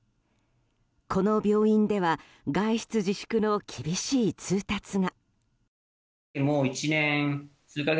この病院では外出自粛の厳しい通達が。